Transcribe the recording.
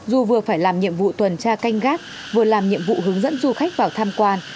dù vừa phải làm nhiệm vụ tuần tra canh gác vừa làm nhiệm vụ hướng dẫn du khách vào tham quan